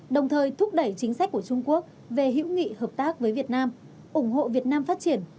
đồng thời thúc đẩy chính sách của trung quốc về hữu nghị hợp tác với việt nam ủng hộ việt nam phát triển